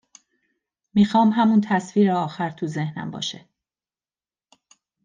میخوام همون تصویر آخر تو ذهنم باشه